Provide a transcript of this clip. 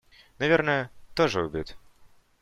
Наверное, тоже убит.